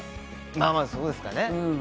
まぁまぁそうですかね。